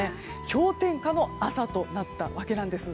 氷点下の朝となったわけです。